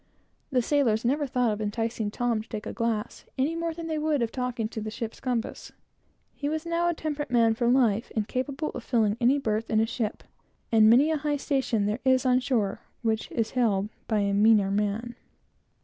The sailors never thought of enticing Tom to take a glass, any more than they would of talking to the ship's compass. He was now a temperate man for life, and capable of filling any berth in a ship, and many a high station there is on shore which is held by a meaner man.